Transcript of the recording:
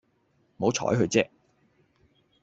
唔好採佢啫